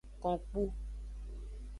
Konkpu.